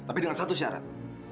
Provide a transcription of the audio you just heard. tapi dengan satu syarat